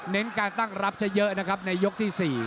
เน้นการตั้งรับซะเยอะนะครับในยกที่๔